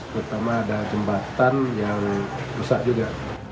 terutama ada jembatan yang rusak juga